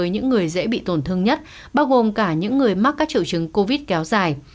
những người dễ bị tổn thương nhất bao gồm cả những người mắc các triệu chứng covid kéo dài